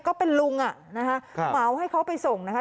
ก็เป็นลุงอ่ะนะคะเหมาให้เขาไปส่งนะคะ